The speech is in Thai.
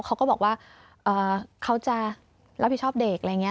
เขาก็บอกว่าเขาจะรับผิดชอบเด็กอะไรอย่างนี้